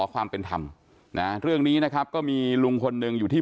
ความเป็นธรรมนะเรื่องนี้นะครับก็มีลุงคนหนึ่งอยู่ที่